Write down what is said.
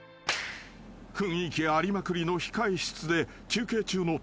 ［雰囲気ありまくりの控室で休憩中のターゲット］